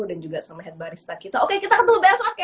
dan juga sama head barista kita oke kita ketemu besok ya